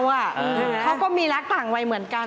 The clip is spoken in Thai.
เขาก็มีรักต่างวัยเหมือนกัน